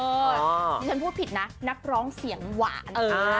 นี่ฉันพูดผิดนะนักร้องเสียงหวาน